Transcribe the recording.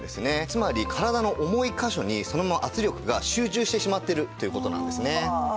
つまり体の重い箇所にそのまま圧力が集中してしまっているという事なんですね。